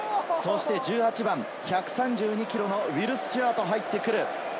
１８番１３２ｋｇのウィル・スチュアートが入ってくる。